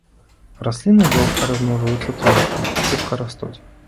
Расліны лёгка размножваюцца тронкамі, хутка растуць.